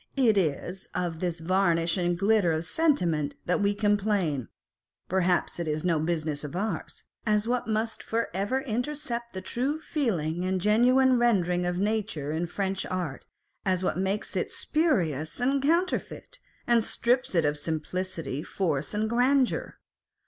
It is of this varnish and glitter of sentiment that we complain (perhaps it is no business of ours) as what must for ever intercept the true feeling and genuine rendering of nature in French art, as what makes it spurious and counterfeit, and strips it of simplicity, force, and grandeur.